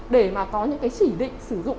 để có những chỉ định sử dụng